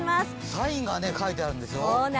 サインが書いてあるんですよ。